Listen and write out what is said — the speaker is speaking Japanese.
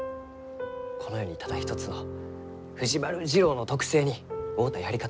この世にただ一つの藤丸次郎の特性に合うたやり方を。